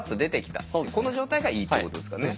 この状態がいいってことですかね。